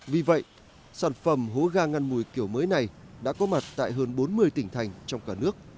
vì vậy sản phẩm hố ga ngăn mùi kiểu mới này đã có mặt tại hơn bốn mươi tỉnh thành trong cả nước